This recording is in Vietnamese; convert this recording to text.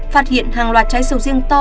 phát hiện hàng loạt trái sầu riêng to